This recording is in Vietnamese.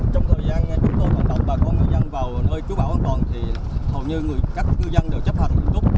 trong thời gian chúng tôi hoàn toàn và có người dân vào nơi chú bảo an toàn thì hầu như các người dân đều chấp hành ưu cúc